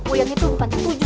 kuyengnya tuh bukan